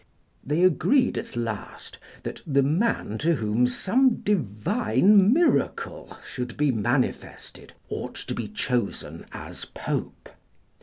They agreed at last that the man to whom some divine miracle should be manifested ought to be chosen as Pope.